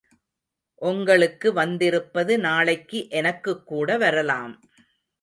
ஒங்களுக்கு வந்திருப்பது நாளைக்கு எனக்குக்கூட வரலாம்.